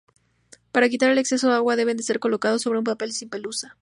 Para quitar el exceso de agua, deben ser colocados sobre un papel sin pelusa.